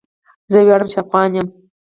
زه ویاړم چې افغان یم.